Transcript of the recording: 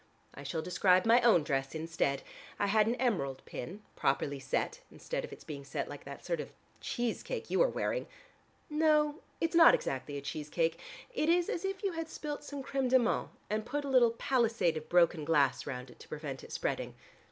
I shall describe my own dress instead. I had an emerald pin, properly set, instead of its being set like that sort of cheese cake you are wearing. No, it's not exactly a cheese cake: it is as if you had spilt some crème de menthe and put a little palisade of broken glass round it to prevent it spreading.